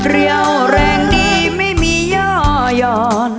เรี่ยวแรงดีไม่มีย่อย้อน